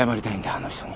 あの人に。